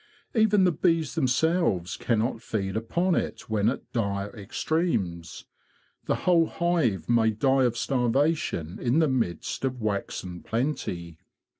Even the bees themselves cannot feed upon it when at dire extremes: the whole hive may die of starvation in the midst of waxen plenty.